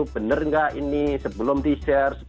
benar nggak ini sebelum di share